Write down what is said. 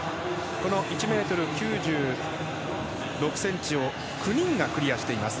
この１ｍ９６ｃｍを９人がクリアしています。